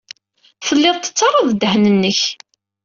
Telliḍ tettarraḍ ddehn-nnek.